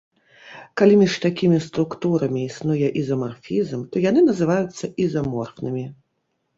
Калі між такімі структурамі існуе ізамарфізм, то яны называюцца ізаморфнымі.